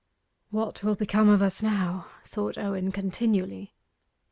'What will become of us now?' thought Owen continually.